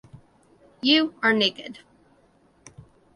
You Are Naked.